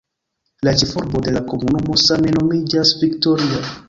La ĉefurbo de la komunumo same nomiĝas "Victoria".